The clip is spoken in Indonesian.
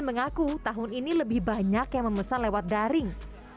mengaku tahun ini lebih banyak yang memesan lewat daring